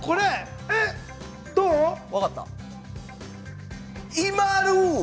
わかった！